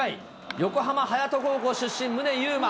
横浜隼人高校出身、宗佑磨。